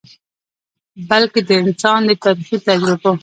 بلکه د انسان د تاریخي تجربو ،